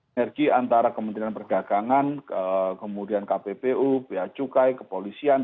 energi antara kementerian perdagangan kemudian kppu bacukai kepolisian